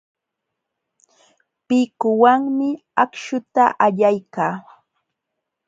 Pikuwanmi akśhuta allaykaa.